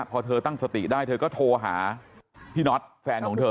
พอเธอตั้งสติได้เธอก็โทรหาพี่น็อตแฟนของเธอ